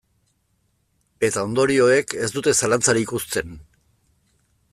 Eta ondorioek ez dute zalantzarik uzten.